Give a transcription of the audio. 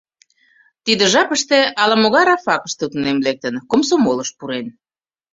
Тиде жапыште ала-могай рабфакыште тунем лектын, комсомолыш пурен.